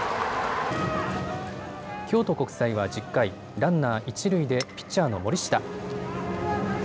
京都国際は１０回ランナー一塁でピッチャーの森下。